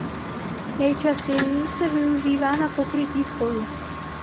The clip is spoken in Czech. Nejčastěji se využívá na pokrytí stolu.